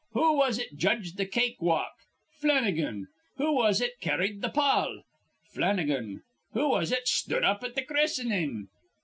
Who was it judged th' cake walk? Flannigan. Who was it carrid th' pall? Flannigan. Who was it sthud up at th' christening?